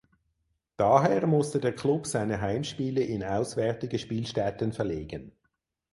Daher musste der Klub seine Heimspiele in auswärtige Spielstätten verlegen.